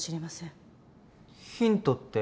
ヒントって。